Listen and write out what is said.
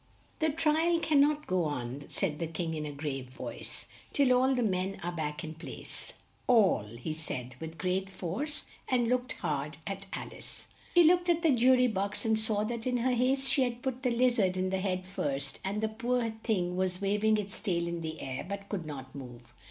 "The tri al can not go on," said the King in a grave voice, "till all the men are back in place all," he said with great force and looked hard at Al ice. She looked at the ju ry box and saw that in her haste she had put the Liz ard in head first and the poor thing was wav ing its tail in the air, but could not move.